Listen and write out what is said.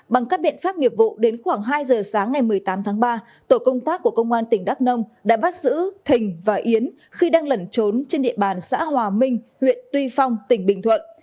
bằng các biện pháp nghiệp vụ đến khoảng hai giờ sáng ngày một mươi tám tháng ba tổ công tác của công an tỉnh đắk nông đã bắt giữ thình và yến khi đang lẩn trốn trên địa bàn xã hòa minh huyện tuy phong tỉnh bình thuận